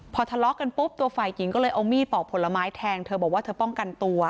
พอทะเลาะกันปุ๊บตัวฝ่ายหญิงก็เลยเอามีดปอกผลไม้แทงเธอบอกว่าเธอป้องกันตัว